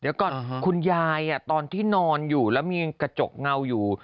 เดี๋ยวก่อนคุณยายตอนที่นอนอยู่แล้วมีกระจกเงาอยู่